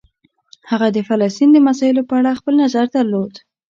هغه د فلسطین د مسایلو په اړه خپل نظر درلود.